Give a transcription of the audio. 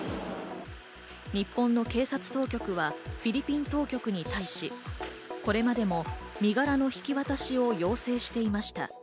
日本の警察当局はフィリピン当局に対し、これまでも身柄の引き渡しを要請していました。